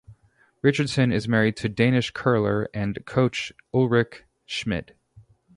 Richardson is married to Danish curler and coach Ulrik Schmidt.